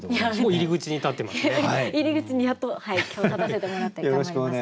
入り口にやっと今日立たせてもらって頑張ります。